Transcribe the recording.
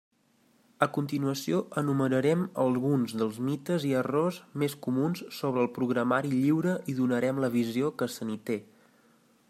A continuació enumerarem alguns dels mites i errors més comuns sobre el programari lliure i donarem la visió que se n'hi té.